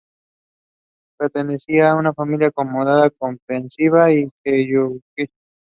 Pertenecía a una familia acomodada campesina y galleguista.